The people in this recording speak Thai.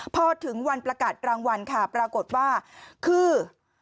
พอถึงวันประกาศรางวัลค่ะปรากฏว่าคือ